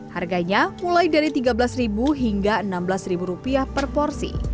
harganya mulai dari rp tiga belas hingga rp enam belas per porsi